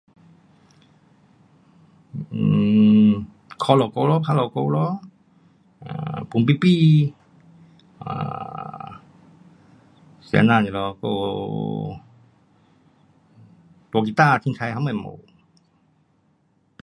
um 打鼓打鼓吹哨哨先生这里还有弹奏吉随便什么都有。